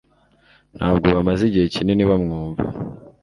Ntabwo bamaze igihe kinini bamwumva.